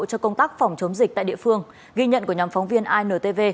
cho công tác phòng chống dịch tại địa phương ghi nhận của nhóm phóng viên intv